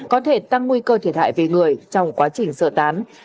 có thể tăng nguy cơ thiệt hại về người trong quá trình sơ tán